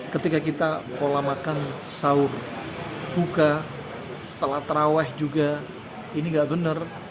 ketika kita pola makan sahur buka setelah terawih juga ini nggak benar